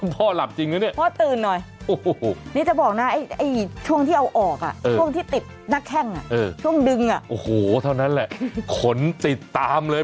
แบบนี้เลยหรอ